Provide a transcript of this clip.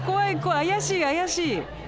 怪しい怪しい。